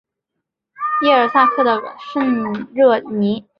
耶尔萨克的圣热尼。